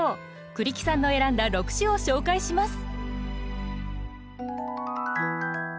栗木さんの選んだ６首を紹介します。